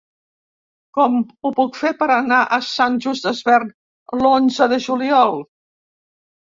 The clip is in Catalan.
Com ho puc fer per anar a Sant Just Desvern l'onze de juliol?